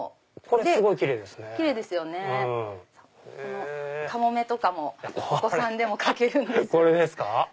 このカモメとかもお子さんでも描けるんですよ。